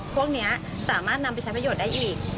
พวกนี้สามารถนำไปใช้ประโยชน์ได้อีก